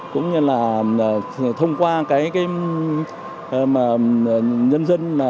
cũng như là thông qua nhân dân